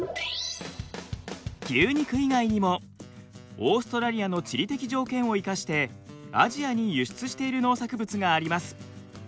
牛肉以外にもオーストラリアの地理的条件を生かしてアジアに輸出している農作物があります。